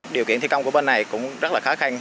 điều kiện thi công của bên này cũng rất là khó khăn